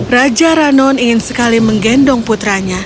raja ranon ingin sekali menggendong putranya